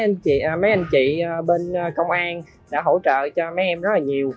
em thì rất là cảm ơn cảm ơn các mấy anh chị bên công an đã hỗ trợ cho mấy em rất là nhiều